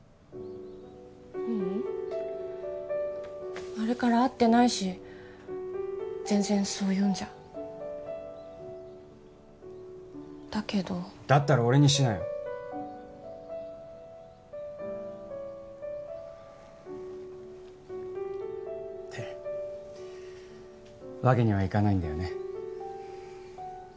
ううんあれから会ってないし全然そういうんじゃだけどだったら俺にしなよってわけにはいかないんだよね